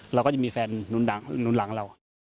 เราก็จะมีแฟนรุ่นหลังเรา